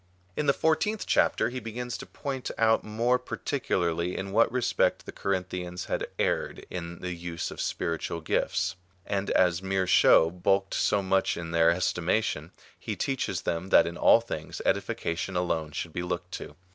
In the fburteenth chapter he begins to point out more particularly in what respect the Corinthians had erred in the use of spiritual gifts ; and as mere show bulked so much in their estimation, he teaches them that in all things edifica tion alone should be looked to.